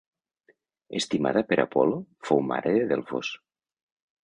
Estimada per Apol·lo, fou mare de Delfos.